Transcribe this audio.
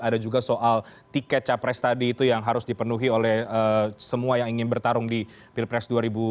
ada juga soal tiket capres tadi itu yang harus dipenuhi oleh semua yang ingin bertarung di pilpres dua ribu dua puluh